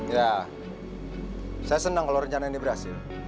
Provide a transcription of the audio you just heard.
ya saya senang kalau rencana ini berhasil